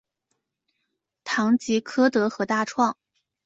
唐吉柯德和大创